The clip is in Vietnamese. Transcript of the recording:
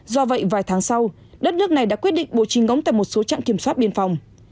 do vậy vài tháng sau đất nước này đã quyết định bổ trình ngỗng tại một số trạng kiểm soát biên phòng